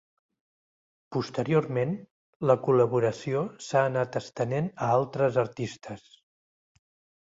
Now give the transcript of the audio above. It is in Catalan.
Posteriorment, la col·laboració s'ha anat estenent a altres artistes.